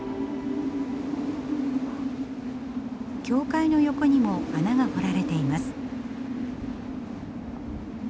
教会の横にも穴が掘られています。